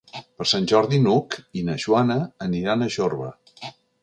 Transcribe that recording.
Per Sant Jordi n'Hug i na Joana aniran a Jorba.